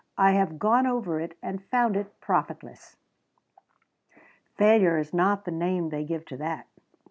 I have gone over it and found it profitless." Failure is not the name they give to that.